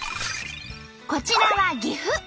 こちらは岐阜。